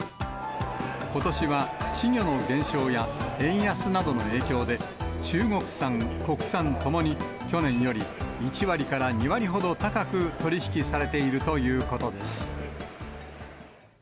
ことしは稚魚の減少や円安などの影響で、中国産、国産ともに、去年より１割から２割ほど高く取り引きされているということです。